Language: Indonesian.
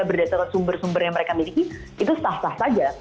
berdasarkan sumber sumber yang mereka miliki itu sah sah saja